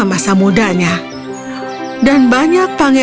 kembali ke kebutuhan kedua anak liya